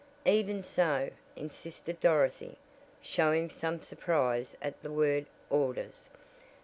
"Even so," insisted Dorothy, showing some surprise at the word "orders."